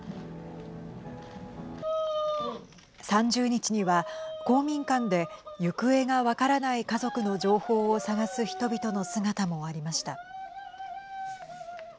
３０日には公民館で行方が分からない家族の情報を探す人々の姿もありました。